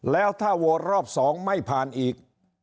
แล้วถ้าโหวตรอบ๒ไม่ผ่านอีก